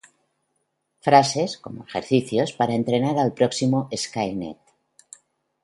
Frases, como ejercicios, para entrenar al próximo SkyNet.